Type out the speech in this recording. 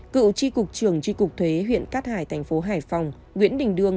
cựu tri cục trường tri cục thuế huyện cát hải thành phố hải phòng nguyễn đình đương